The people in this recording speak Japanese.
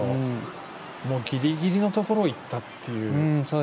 ギリギリのところをいったという。